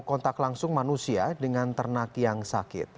kontak langsung manusia dengan ternak yang sakit